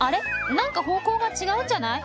何か方向が違うんじゃない？